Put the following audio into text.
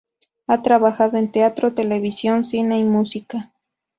Ha trabajado en teatro, televisión, cine y música.